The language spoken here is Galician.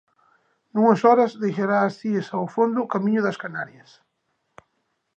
Nunhas horas deixará as Cíes ao fondo camiño das Canarias.